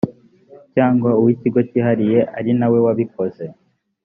cyangwa uw ikigo cyihariye ari nawe wabikoze